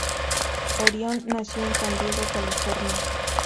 Orion nació en San Diego, California.